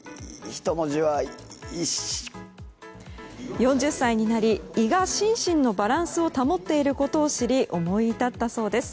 ４０歳になり胃が心身のバランスを保っていることを知り思い至ったそうです。